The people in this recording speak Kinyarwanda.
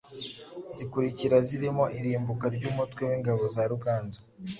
zikurikira zirimo irimbuka ry’umutwe w’ingabo za Ruganzu